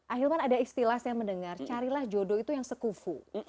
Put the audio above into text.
ahilman ada istilah saya mendengar carilah jodoh itu yang sekufu